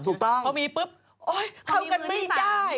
ถูกต้องพอมีปุ๊บโอ๊ยเข้ากันไม่ได้